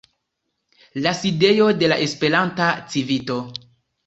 la sidejo de la Esperanta Civito.